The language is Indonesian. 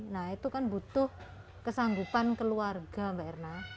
nah itu kan butuh kesanggupan keluarga mbak erna